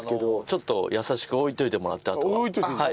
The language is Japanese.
ちょっと優しく置いておいてもらってあとは。